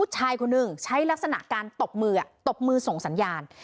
ชายคนหนึ่งใช้ลักษณะการตบมือตบมือส่งสัญญาณ